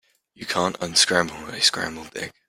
You can't unscramble a scrambled egg.